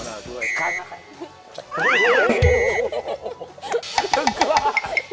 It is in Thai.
เอาทรงกว่า